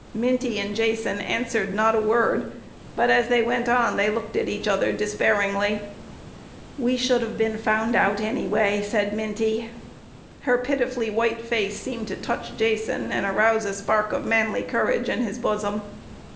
Minty and Jason answered not a word, but as they went on they looked at each other despairingly. "We should have been found out anyway," said Minty. Her pitifully white face seemed to touch Jason and arouse a spark of manly courage in his bosom.